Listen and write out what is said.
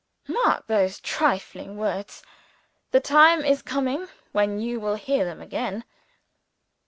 (Mark those trifling words. The time is coming when you will hear of them again.)